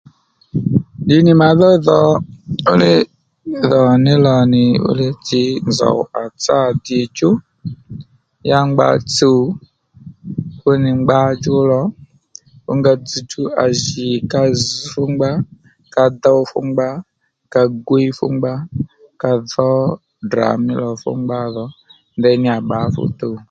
Ddi nì mà dho dhò fú li dhò ní lò nì fúli tsǐ nzòw à tsǎ dìchú ya ngba tsùw fúnì ngba djú lò fú nga dzzdjú ì ka zz̀ fú ngba ka dów fú ngba ka gwíy fú ngba ka dhǒ Ddrà mí lò fú ngba dhò ndaní à bbǎ fú tuw